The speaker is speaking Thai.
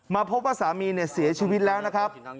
พบว่าสามีเสียชีวิตแล้วนะครับ